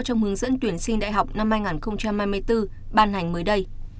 trong hướng dẫn tuyển sinh đại học năm hai nghìn hai mươi bốn ban hành mới đây